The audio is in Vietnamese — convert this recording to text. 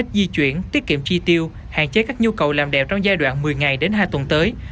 di chuyển tiết kiệm tri tiêu hạn chế các nhu cầu làm đẹp trong giai đoạn một mươi ngày đến hai tuần tới